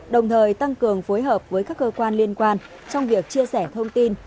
đồng thời tăng cường phối hợp với các cơ quan liên quan trong việc chia sẻ thông tin